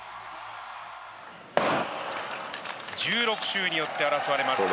１６周によって争われます